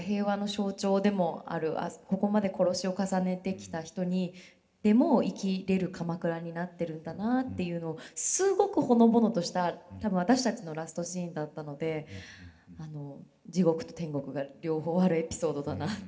ここまで殺しを重ねてきた人でも生きれる鎌倉になってるんだなっていうのをすごくほのぼのとした多分私たちのラストシーンだったので地獄と天国が両方あるエピソードだなって